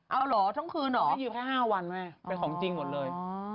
เอาเหรอทั้งคืนเหรอให้ยืมแค่๕วันแม่เป็นของจริงหมดเลย